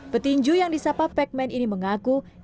petinju yang disapa pac man ini mengatakan